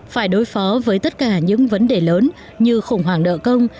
phải đối phó với tất cả những vấn đề lớn như khủng hoảng nợ công